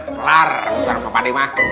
pelar rusak sama pak de mah